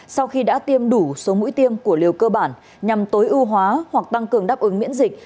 sau khi đã tiêm đủ số mũi tiêm của liều cơ bản nhằm tối ưu hóa hoặc tăng cường đáp ứng miễn dịch